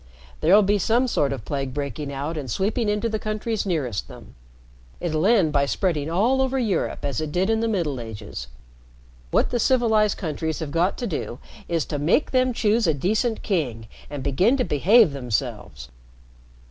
"There'll be some sort of plague breaking out and sweeping into the countries nearest them. It'll end by spreading all over Europe as it did in the Middle Ages. What the civilized countries have got to do is to make them choose a decent king and begin to behave themselves."